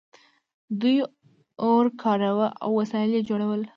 دوی اور کاراوه او وسایل یې جوړول.